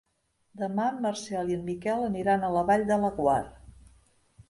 Demà en Marcel i en Miquel aniran a la Vall de Laguar.